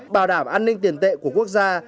bảo đảm an ninh tiền tệ của quốc gia